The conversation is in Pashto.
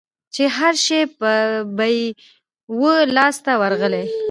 چي هرشی به یې وو لاس ته ورغلی